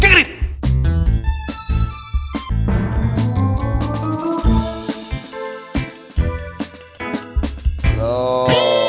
bukan dia dengan tau siapa